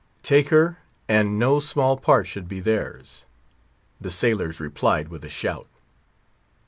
Take her, and no small part should be theirs. The sailors replied with a shout.